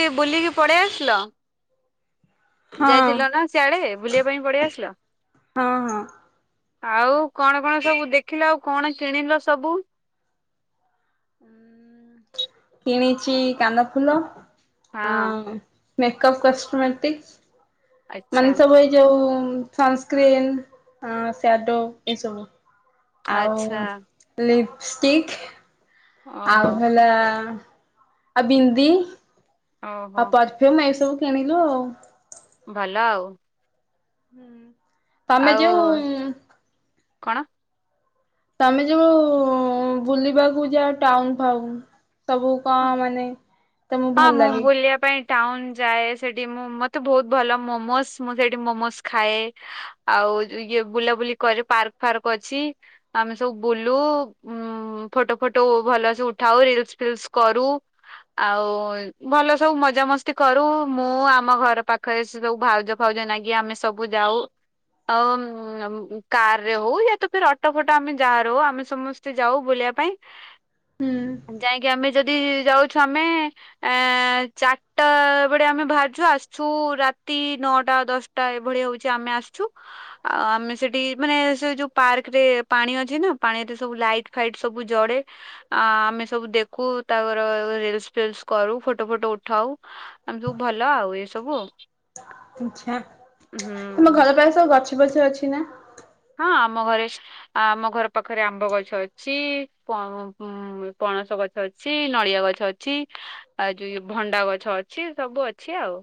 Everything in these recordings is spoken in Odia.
ସେ ବୁଲିକି ପଳେଇ ଆସିଲ? ହଁ ଯାଇଥିଲ ନା ସିଆଡେ ବୁଲିବା ପାଇଁ ପଡେଇ ଆସିଲ? ହଁ ହଁ ଆଉ କଣ କଣ ସବୁ ଦେଖିଲ, ଆଉ କଣ କିଣିଲ ସବୁ? କିଣିଛି କାନଫୁଲ ଆ ହଁ ମେକପ୍ କଷ୍ଟମଟିକ୍ ଆଚ୍ଛା ମାନେ ସବୁ ଏଇ ଯୋଉ ଉଁ ସଂସ୍ କ୍ରିମ୍ ସ୍ୟାଡୋ ଏସବୁ। ଆଚ୍ଛା ଆଉ ଲିପଷ୍ଟିକ। ଓହୋ ଆଉ ହେଲା ଆଉ ବିନ୍ଦି। ଓହୋ ଆଉ ପରଫ୍ୟୁମ ଏଇସବୁ କିଣିଲୁ ଆଉ। ଭଲ ଆଉ। ତମେ ଆଉ ଯୋଉ କଣ? ତମେ ଯୋଉ ବୁଲିବାକୁ ଯା ଟାଉନ ଫାଉନ ସବୁ କଣ ମାନେ ତମକୁ ହଁ ଭଲ ମୁଁ ଲାଗେ ବୁଲିବା ପାଇଁ ଟାଉନ ଯାଏ ସେଠି ମୁଁ ମତେ ବହୁତ ଭଲ ମୋମୋସ୍ ମୁଁ ସେଠି ମୋମୋସ୍ ଖାଏ ଆଉ ହଉ ଯୁ ଇଏ ବୁଲାବୁଲି କରେ ପାର୍କ ଫାର୍କ ଅଛି। ଆମେ ସବୁ ବୁଲୁ ଉଁ ଫୁଟ୍ ଫଟୋ ଫଟୋ ଭଲସ ଉଠାଉ। ରିଲସ ଫିଲ୍ସ କରୁ ଆଉ ଭଲ ସବୁ ମଜାମସ୍ତି କରୁ। ମୁଁ ଆମ ଘର ପାଖରେ ସବୁ ଭାଉଜ ଫାଉଜ ନାଗି ଆମେ ସବୁ ଯାଉ। ଆଉ ମ କାରରେ ହଉ, ୟା ତ ଅଟୋ ଫଟ ଆମେ ଯାହାର ହଉ ଆମେ ସମସ୍ତେ ଯାଉ ବୁଲି ହୁଁ ଯାଇକି ଆମେ ଯଦି ଯାଉଛୁ ଆମେ ଏଁ ଚାରିଟା ବେଳେ ଆମେ ବାହାରଛୁ, ଆସିଛୁ ରାତି ନଅଟା ଦଶଟା ଏଭଳି ହଉଛି ଆମେ ଆସୁଛୁ ଆଉ ଆମେ ସେଠି ମାନେ ସେ ଯୋଉ ପାର୍କରେ ପାଣି ଅଛି ନା ପାଣିରେ ସବୁ ଲାଇଟ୍ ଫାଇଟ ସବୁ ଜଳେ। ଆ ଆମେ ସବୁ ଦେଖୁ ତାରୁ ରିଲସ ଫିଇଲ୍ସ କରୁ ଫଟୋ ଫଟୋ ଉଠାଉ ।ଆମେ ସବୁ ଭଲ ଆଉ ଏ ସବୁ ଆଉ। ଆଛା, ତମ ଘର ପାଖରେ ସବୁ ଗଛ ପଛ ଅଛି ନା? ହଁ ଆମ ଘରେ ଆମ ଘର ପାଖରେ ଆମ୍ବ ଗଛ ଅଛି। ପଣସ ଗଛ ଅଛି, ନଳିଆ ଗଛ ଅଛି, ଆଉ ଯୋଉ ଭଣ୍ଡା ଗଛ ଅଛି ସବୁ ଅଛି ଆଉ।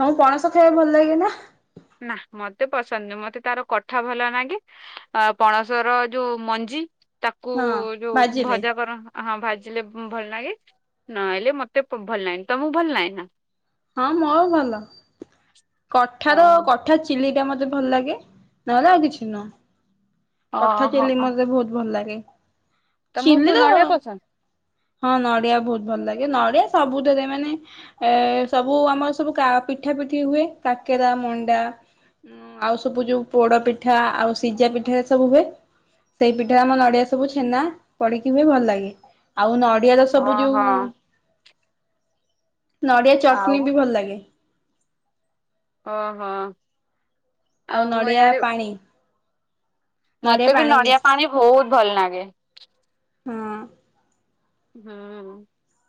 ତମ ପଣସ ଖାଇବା ଭଲ ଲାଗେ ନା? ନା ମତେ ପସନ୍ଦ ନୁହେଁ ମତେ ତାର କଠା ଭଲ ଲାଗେ ଆଉ ପଣସ ର ଯୋଉ ମଞ୍ଜି ତାକୁ ହଁ ଯୋଉ ଭାଜିଲେ ଭଜା କର ହଁ ଭାଜି ହେଲେ ଭଲ ଲାଗେ, ନହଲେ ମତେ ଭଲ ଲାଗେନି। ତମକୁ ଭଲ ଲାଗେନା? ହଁ ମୋ ଭଲ ଓ ।କଠାର କଠା ଚିଲି ମତେ ଭଲ ଲାଗେ ନହେଲେ ଆଉ କିଛି ନୁହଁ । କଠା ଚିଲି ଓହୋ ମତେ ବହୁତ ଭଲ ଲାଗେ। ଗେ ତମକୁ ଚିଲିର ନଡିଆ ପସନ୍ଦ ହଁ ନଡିଆ ବହୁତ ଭଲ ଲାଗେ। ନଡ଼ିଆ ସବୁଥିରେ ମାନେ ଏ ସବୁ ଆମର ସବୁ ପିଠା ପିଠି ହୁଏ ।କାକେରା ମଣ୍ଡା ଉଁ ଆଉ ସବୁ ଯୋଉ ପୋଡ ପିଠା ଆଉ ସିଝା ପିଠା ସବୁ ହୁଏ ସେଇ ପିଠା ଆମ ନଡ଼ିଆ ସବୁ ଛେନା ପଡିକି ହୁଏ ଭଲ ଲାଗେ ଆଉ ନଡ଼ି ନଡ଼ିଆ ତ ସବୁ ଓହୋ ଯୋଉ ନଡ଼ିଆ ଆଉ ଚଟଣି ବି ଭଲ ଲାଗେ। ହଁ ହଁ। ଆଉ ନଡ଼ିଆ ପାଣି ମତେ ବି ନଡିଆ ପାଣି ବହୁତ ଭଲ ଲାଗେ। ହଁ ହୁଁ।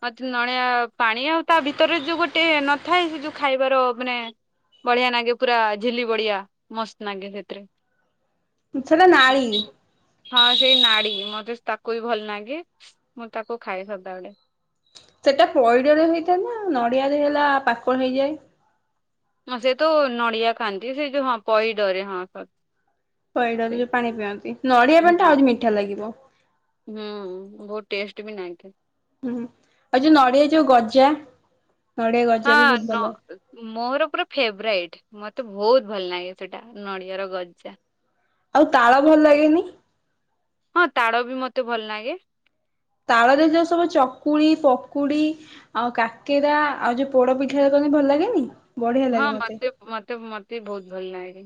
ମତେ ନଡିଆ ପାଣି ଆଉ ତା ଭିତରେ ଯୋଉ ଗୋଟେ ନଥାଏ ସେ ଯୋଉ ଖାଇବାର ମାନେ ବଢିଆ ଲାଗେ ପୁରା ଝିଲି ବଢିଆ ମସ୍ତ ଲାଗେ ସେଥିରେ। ସେଇଟା ନାଳି। ହଁ ସେଇ ନାଡ଼ି ମତେ ତାକୁ ବି ଭଲ ଲାଗେ ମୁଁ ତାକୁ ଖାଏ ସଦାବେଳେ। ସେଇଟା ପଇଡରେ ହେଇଥାଏ ନା ନଡିଆରେ ହେଲା ପାକଳ ହେଇଯାଏ। ହଁ ସେ ତ ନଡିଆ ଖାଆନ୍ତି ସେ ଯୋଉ ହଁ ପଇଡରେ ହଁ ସରି । ପଇଡ ଯୋଉ ପାଣି ପିଅନ୍ତି ନଡିଆ ପାଣି ଟା ଆହୁରି ମିଠା ଲାଗିବ। ହୁଁ ବହୁତ ଟେଷ୍ଟ ବି ନାଗେ। ହୁଁ ଆଉ ଯୋଉ ନଡ଼ିଆ ଯୋଉ ଗଜା? ନଡିଆ ଗଜା ହଁ ବି ବହୁତ ଭଲ ନ ମୋର ପୁରା ଫେବରାଇଟ ମତ ତ ବହୁତ ଭଲ ଲାଗେ ସେଟା ନଡ଼ିଆର ଗଜା। ଆଉ ତାଳ ଭଲ ଲାଗେନି? ହଁ ତାଳ ବି ମତେ ଭଲ ଲାଗେ। ତାଳରେ ଯୋଉ ସବୁ ଚ କୁଳି, ପକୁଡି ଆଉ କାକେରା ଆଉ ଯୋଉ ପୋଡ ପିଠା କଲେ ଭଲ ଲାଗେନି। ବଢିଆ ହଁ ଲାଗେ ମତେ ମତେ ମତେ ବହୁତ ଭଲ ଲାଗେ।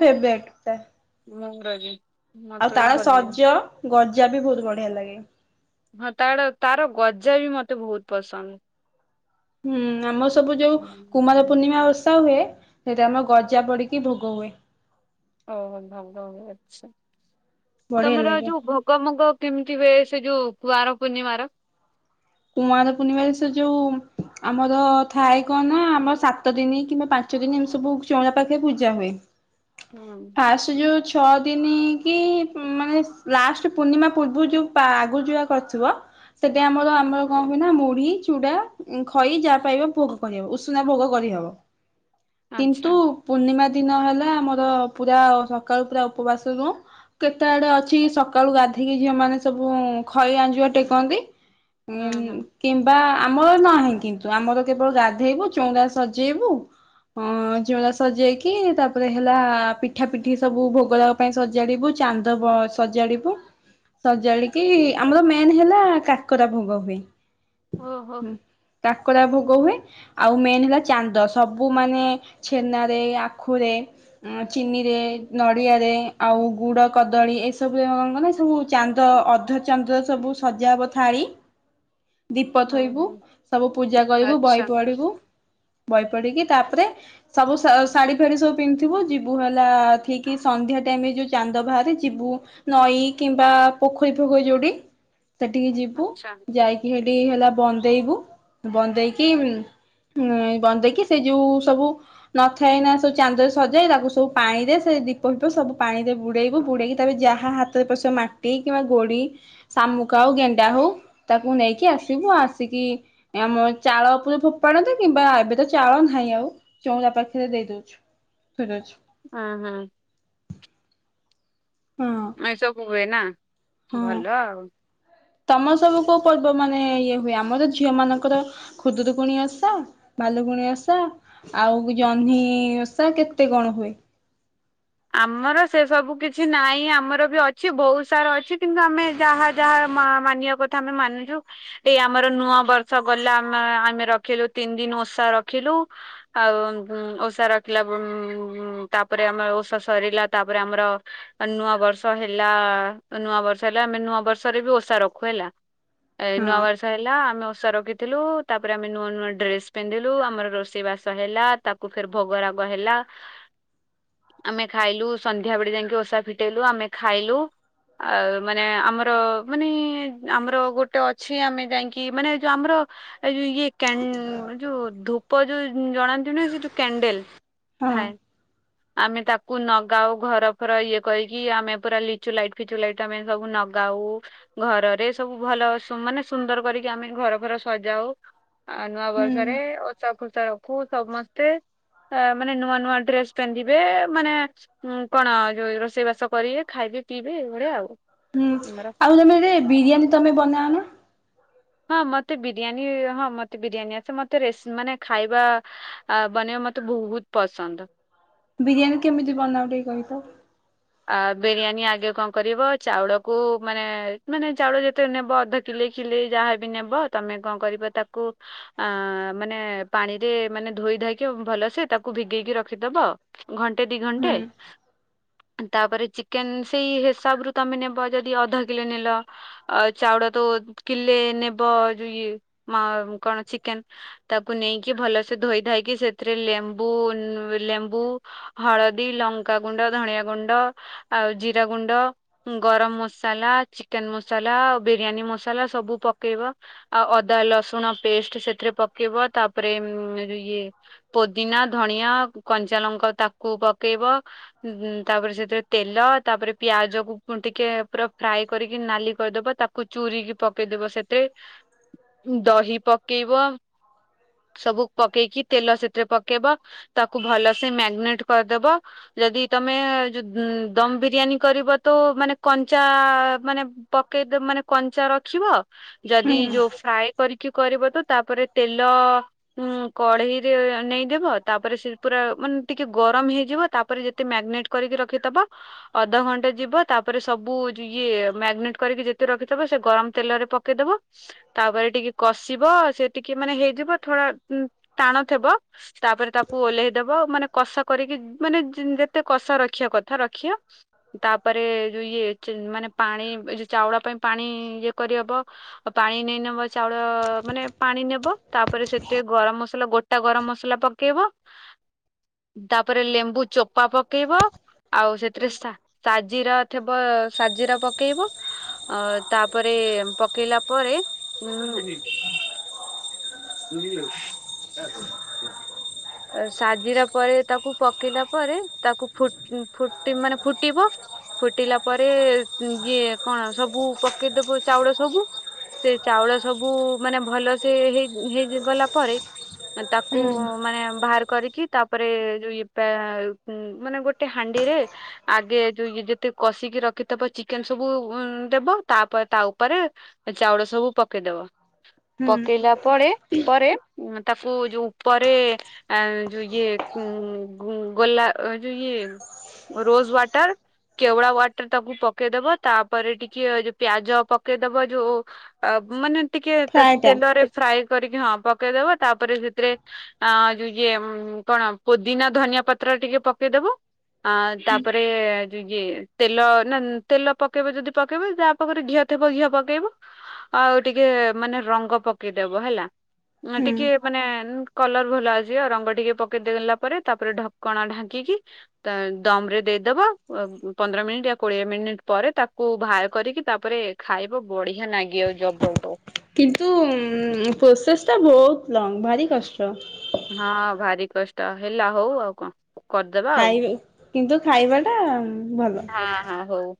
[unintelligible] [unintelligible] ଆଉ ବି ତାଳ ଭଲ ଲାଗେ ଶଜ ଗଜା ବି ବହୁତ ବଢିଆ ଲାଗେ। ହଁ ତା ତାର ଗଜା ବି ମତେ ବହୁତ ପସନ୍ଦ। ହୁଁ ଆମ ସବୁ ଯୋଉ କୁମାର ପୂର୍ଣ୍ଣିମା ଓଷା ହୁଏ ସେଇଟା ଆମ ଗଜା ପଡିକି ଭୋଗ ହୁଏ। ବଢିଆ ତମର ଲାଗେ ଯୋଉ ଭୋଗ ମଗ କେମିତି ହୁଏ? ସେ ଯୋଉ କୁଆର ପୂର୍ଣିିମାର। କୁମାର ପୂର୍ଣ୍ଣିମାରେ ସେ ଯୋଉ ଆମର ଥାଏ କଣ ନା ଆମର ସାତ ଦିନ କିମ୍ବା ପାଞ୍ଚ ଦିନ ଏମିତି ସବୁ ଚଉରା ପାଖେ ପୂଜା ହୁଏ। ହୁଁ ଫାଷ୍ଟ ଯୋଉ ଛଅ ଦି କି ମାନେ ଲାଷ୍ଟ ପୂର୍ଣ୍ଣିମା ପୂର୍ବରୁ ଯୋଉ ଆଗରୁ ଯୋଉରା କରିଥିବ ସେଟି ଆମର ଆମର କଣ ପାଇଁ ନା ମୁଢ଼ି, ଚୁଡା, ଖଇ ଯାହା ପାଇବା ଭୋଗ କରିହବ। ଉଷୁନା ଭୋଗ କରିହବ। ଆଚ୍ଛା କିନ୍ତୁ ପୂର୍ଣ୍ଣିମା ଦିନ ହେଲା ଆମର ପୁରା ସକାଳୁ ପୁରା ଉପବାସ ରହୁ। କେତେ ଆଡେ ଅଛି ସକାଳୁ ଗାଧେଇକି ଝିଅ ମାନେ ସବୁ ଖଇ ଆଞ୍ଜୁଆ ଟେକନ୍ତି। ହୁଁ ହୁଁ କିମ୍ବା ଆମର ନାହିଁ କିନ୍ତୁ। ତୁ ଆମର କେବଳ ଗାଧେଇବୁ ଚଉରା ସଜେଇବୁ ଅଁ ଚଉରା ସଜେଇକି ତାପରେ ହେଲା ପିଠା ପିଠି ସବୁ ଭୋଗ ରାଗ ପାଇଁ ସଜାଡିବୁ ଚାନ୍ଦ ସଜାଡିବୁ। ସଜାଡି କି ଆମର ମେନ୍ ହେଲା କାକରା ଭୋଗ ହୁଏ। ଓହୋ କାକରା ଭୋ ଗ ହୁଏ। ଆଉ ମେନ୍ ହେଲା ଚାନ୍ଦ ସବୁ ମାନେ ଛେନାରେ ଆଖୁରେ ଚିନିରେ, ନଡ଼ିଆରେ ଆଉ ଗୁଡ଼, କଦଳୀ ଏସବୁ ନା ସବୁ ଚାନ୍ଦ ଅଧା ଚାନ୍ଦ ସବୁ ସଜା ହବ ଥାଳି। ଦୀପ ହୁଁ ଥୋଇବୁ। ହୁଁ ସବୁ ପୂଜା କରିବୁ ବହି ଆଚ୍ଛା ପଢିବୁ। ବହି ପଢିକି ତାପରେ ସବୁ ଶାଢୀ ଫାଢୀ ସବୁ ପିନ୍ଧିଥିବୁ ଯିବୁ ହେଲା ଠିକ୍ ସନ୍ଧ୍ୟା ଯୋଉ ଚାନ୍ଦ ବାହାରେ ଯିବୁ ନଈ କିମ୍ବା ପୋଖରୀ ଫୋଖରି ଯୋଉଠି ସେଠିକି ଯିବୁ ଆଚ୍ଛା ଯାଇକି ହେଠି ହେଲା ବନ୍ଦେଇବୁ। ବନ୍ଦେଇକି ଉଁ ବନ୍ଦେଇକି ସେ ଯୋଉ ସବୁ ନଥାଏ ନା ସବୁ ଚାନ୍ଦରେ ସଜାଏ ତାକୁ ସବୁ ପାଣିରେ ସେ ଦୀପ ଫିପ ସବୁ ପାଣିରେ ବୁଡେଇବୁ ବୁଡେଇକି ତା ଯାହା ହାତରେ ପଶିବ ମାଟି କିମ୍ବା ଗୋଡି ସା ମୁକା ହଉ ଗେଣ୍ଡା ହଉ ତାକୁ ନେଇକି ଆସିବୁ ଆସିକି ଆମ ଚାଳ ଉପରେ ଫୋପାଡ଼ନ୍ତି। କିମ୍ବା ଏବେ ତ ଚାଳ ନାହିଁ। ଆଉ ଚଉରା ପାଖରେ ଦେଇ ଦଉଚୁ ଧୋଇଦଉଚୁ। ହୁଁ ହୁଁ। ହଁ ଏସବୁ ହୁଏ ନା ଭଲ ଆଉ। ତମ ସବୁ କୋଉ ପର୍ବ ମାନେ ମାନେ ଇଏ ହୁଏ। ଆମର ଝିଅ ମାନଙ୍କର ଖୁଦୁରୁକୁୁଣି ଓଷା ଭାଲୁକୁଣି ଓଷା ଆଉ ଆଉ ଜହ୍ନିଓଷା କେତେ କଣ ହୁଏ। ଆମର ସେ ସବୁ କିଛି ନାହିଁ। ଆମର ବି ଅଛି ବହୁତ ସାରା ଅଛି କିନ୍ତୁ ଆମେ ଯାହା ଯାହା ମାନିବା କଥା ଆମେ ମାନୁଚୁ। ଏଇ ଆମର ନୂଆ ବର୍ଷ ଗଲା ଆମ ଆମେ ରଖିଲୁ ତିନି ଦି ଓଷା ରଖିଲୁ। ଆଉ ଓଷା ରଖିଲା ତାପରେ ଆମ ଓଷା ସରିଲା। ତାପରେ ଆମର ନୂଆ ବର୍ଷ ହେଲା ନୂଆ ବର୍ଷ ହେଲା ଆମେ ନୂଆ ବର୍ଷରେ ବି ଓଷା ରଖୁ ହେଲା। ନୂଆ ହଁ ବର୍ଷ ହେଲା ଆମେ ଓଷା ରଖିଥିଲୁ। ତାପରେ ଆମେ ନୂଆ ନୂଆ ଡ୍ରେସ ପିନ୍ଧିଲୁ। ଆମର ରୋଷେଇ ବାସ ହେଲା ତାକୁ ଫେରେ ଭୋଗରାଗ ହେଲା ଆମେ ଖାଇଲୁ ସନ୍ଧ୍ୟା ବେଳେ ଯାଇକି ଓଷା ଫିଟେଇଲୁ ଆମେ ଖାଇଲୁ ଆଉ ମାନେ ଆମର ମାନେ ଆମର ଗୋଟେ ଅଛି ଆମେ ଯାଇକି ମାନେ ଯଉ ଆମର ଏଉ ଇଏ କେ ଯୋଉ ଧୂପ ଯୋଉ ଜଣାନ୍ତି ନି ସେ ଯୋଉ କ୍ୟାଣ୍ଡେଲ ହଁ ଥାଏ। ଆମେ ତାକୁ ନଗାଉ ଘର ଫର ଇଏ କରିକି ଆମେ ପୁରା ଲିଚୁ ଲାଇଟ ଫିଚୁ ଲାଇଟ ଆମେ ସବୁଲଗ ଗାଉ ଘରରେ ସବୁ ଭଲ ମାନେ ସୁନ୍ଦର କରିକି ଆମେ ଘର ଫର ସଜାଉ। ଆ ନୂଆ ବର୍ଷରେ ହୁଁ ଓଷା ଫୁଷାର ତା ସମସ୍ତେ ମାନେ ନୂଆ ନୂଆ ଡ୍ରେସ ପିନ୍ଧି ଏବେ ମାନେ କଣ ଯଉ ରୋଷେଇ ବାସ କରିବେ ଖାଇବି ପିଇବି ଏଇଭଳିଆ ଆଉ। ହୁଁ ଆମର ଆଉ ତମେ ଏ ବିରିୟାନୀ ତମେ ବନା ନା? ହଁ ମତେ ବିରିୟାନୀ ହଁ ମତେ ବିରିୟାନୀ ଆସେ ମତେ ମାନେ ଖାଇବା ବନେଇବା ମତେ ବହୁତ ପସନ୍ଦ। ବିରିୟାନୀ କେମିତି ବନାଉ ଟିକ କହ ତ? ଆ ବିରିୟାନୀ ଆଗେ କଣ କରିବ ଚାଉଳକୁ ମାନେ ମାନେ ଚାଉଳ ଯେତେ ନେବ ଅଧ କିଲୋ କି ଯାହା ବି ନଵ ତମେ କଣ କରିବ ତାକୁ ମାନେ ପାଣିରେ ମାନେ ଧୋଇକି ଧାଇକି ଭଲସେ ତାକୁ ଭିଗେଇକି ରଖିଦବ ଘଣ୍ଟେ ଦି ହୁଁ ଘଣ୍ଟେ ତାପରେ ଚିକେନ ସେଇ ହିସାବରୁ ତମେ ନେବ ଯଦି ଅଧ କିଲୋ ନେଲ ଚାଉଳ ତ କିଲେ ନଵ [unintelligible] କଣ ଚିକେନ ତାକୁ ନେଇ ଭଲସେ ଧୋଇଧାଇକି ସେଥିରେ ଲେମ୍ବୁ ଲେମ୍ବୁ ହଳଦି ଲଙ୍କାଗୁଣ୍ଡ ଧନିଆ ଗୁଣ୍ଡ ଆଉ ଜିରା ଗୁଣ୍ଡ ଗରମ ମସଲା, ଚିକେନ ମସଲା ବିରିୟାନୀ ମସଲା ସବୁ ପକେଇବା ଆଉ ଅଦା ଲସୁଣ ପେଷ୍ଟ ସେଥିରେ ପକେଇବ ତାପରେ ଈଏ ପୋଦିନା, ଧନିଆ, କଞ୍ଚାଲଙ୍କା ତାକୁ ପକେଇବ ତାପରେ ସେଥିରେ ତେଲ ତାପରେ ପିଆଜକୁ ଟିକେ ପୁରା ଫ୍ରାଏ କରିକି ନାଲି କରିଦବା ତାକୁ ଚ ପୁରିକି ପକେଇଦବ ସେଥିରେ ଦହି ପକେଇବ। ସବୁ ପକେଇକି ତେଲ ସେଥିରେ ପକେଇବ ତାକୁ ଭଲ ସେ ମ୍ୟାଗିନେଟ କରିଦବ ଯଦି ତମ ଦମ ବିରିୟାନୀ କରିବ ତ ମାନେ କଞ୍ଚା ମାନେ ପକେଇଦବ କଞ୍ଚା ରଖିବ ଯଦି ହୁଁ ଫ୍ରାଏ କରିକି କରିବ ତ ତାପରେ ତେଲ ଉ କଢେଇରେ ନେଇଦବ ତାପରେ ସେ ପୁରା ମାନେ ଟିକେ ଗରମ ହେଇଯିବ। ତାପରେ ଯେତେ ଟ ଯ ତାପରେ ସବୁି ଗରମ ତେଲରେ ପକେଇଦବ ତାପରେ ଟିକେ କଷିବ ସେ ଟିକେ ମାନେ ହେଇଯିବ ଥଡା ଟାଣ ଥିବ ତାପରେ ତାକୁ ଓହ୍େଇଦବା ମାନେ କଷ କରିକି ମାନେ କଷ ରଖିବା କଥା ରଖିବା ତାପରେ ଯଉ ଇଏ ମାନେ ପାଣି ଏ ଯଉ ଚାଉଳ ପାଇଁ ପାଣି ଇଏ କରିହବ ଆ ପାଣି ନେଇ ନବ ଚାଉଳ ମାନେ ପାଣି ନେବ ତାପରେ ସେଥିରେ ଗରମ ମସଲା ଗୋଟେ ଆା ଗରମ ମସଲା ପକେଇବ ତାପରେ ଲେମ୍ବୁ ଚୋପା ପକେଇବ ଆଉ ସେଥିରେ ସାଜିର ଥିବ ସାଜିର ପକେଇବ ଅ ତାପରେ ପକେଇଲା ପରେ କ ସାଜିଲା ପରେ ତାକୁ ପକେଇଲା ପରେ ତାକୁ ଫୁଟି ମାନେ ଫୁଟିବ ଫୁଟିଲା ପରେ ଇଏ କଣ ସବୁ ପକେଇଦବ ଚାଉଳ ସବୁ ସେ ଚାଉଳ ସବୁ ମାନେ ଭଲ ସେ ହେଇ ହେଇ ଗଲା ପରେ ତାକୁ ହୁଁ ମାନେ ବାହାର କରିକି ତାପରେ ଯୋଉ ମାନେ ଗୋଟେ ହାଣ୍ଡିରେ ଆଗେ ଯୋଉ ଯେତେ କଷିକି ରଖିବ ଚିକେନ ସବୁ ଦେବ ତାପ ତା ଉପରେ ଚାଉଳ ସବୁ କ ଦେବା ହୁଁ ପଳେ ପରେ ତାକୁ ଯୋଉ ଉପରେ ଯୋଉ ଇଏ ଉ ଗୋଲା ଓ ଯୋଉ ଇଏ ରୋଜ ୱାଟର। କେଉଡ଼ା ୱାଟରଟାକୁ ପକେଇଦବ ତାପରେ ଟିକେ ଯୋଉ ପିଆଜ ପକେଇଦବ ଯୋଉ ମାନେ ଟିକେ ତା ଫ୍ରାଏ ଟା ତେଲରେ। ସାଇଜ କରିକି ହଁ ପକେଇଦବ ତାପରେ ସେଥିରେ ଅଁ ଯୋଉ ଇଏ କଣ ପୋଦିନା, ଧନିଆ ପତ୍ର ଟିକେ ପକେଇଦବ। ଆ ତାପରେ ଯୋ ଇଏ ତେଲ ନା ତେଲ ପକେଇବ ଯଦି ପକେଇବ, ଯାହା ପାଖରେ ଘିଅ ଥିବା ଘିଅ ପକେଇବ ଆଉ ଟିକେ ମାନେ ରଙ୍ଗ ପକେଇଦବ ହେଲା। ହୁଁ। ଟିକେ ମାନେ କଲର ଭଲ ଆସଯିବ ରଙ୍ଗ ଟିକେ ପକେଇଦେଲା ପରେ ତାପରେ ଢକଣା ଢାଙ୍କି କି ତା ଦମ୍ ରେ ଦେଇଦବ ଓ ପନ୍ଦର ମିନିଟ୍ ଆ କୋଡିଏ ମିନିଟ୍ ପରେ ତାକୁ ବାହାର କରି କରିକି ତାପରେ ଖାଇବ ବଢିଆ ନାଗିବ ଜବରଦସ୍ତ। କିନ୍ତୁ ଉମ୍ ପ୍ରୋସେସ ଟା ବହୁତ ଲଙ୍ଗ ଭାରି କଷ୍ଟ। ହଁ ଭାରି କଷ୍ଟ ହେଲା ହଉ ଆଉ କଁ? କରଦବା ଆଉ ଖାଇ କିନ୍ତୁ ଖାଇବା ଟା ଭଲ। ହଁ ହଁ ହଉ।